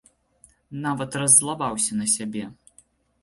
Нават раззлаваўся на сябе.